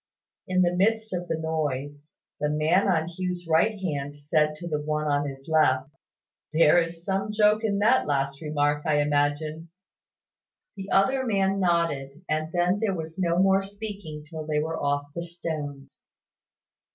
In the midst of the noise, the man on Hugh's right hand said to the one on his left, "There is some joke in that last remark, I imagine." The other man nodded; and then there was no more speaking till they were off the stones.